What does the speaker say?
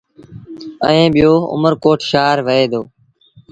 ائيٚݩ ٻيٚو اُمر ڪوٽ شآهر وهي دو۔